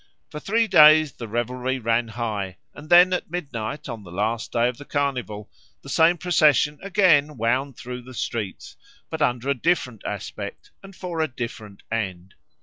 For three days the revelry ran high, and then at midnight on the last day of the Carnival the same procession again wound through the streets, but under a different aspect and for a different end.